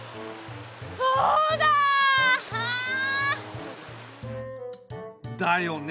そうだ！あ！だよね。